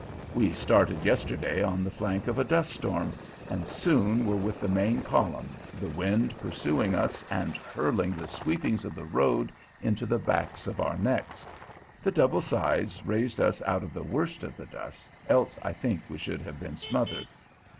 We started yesterday on the flank of a dust storm, and soon were with the main column, the wind pursuing us and hurling the sweepings of the road into the backs of our necks. The double sides raised us out of the worst of the dust, else I think we should have been smothered.